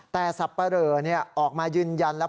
แต่สับปะเหลอออกมายืนยันแล้ว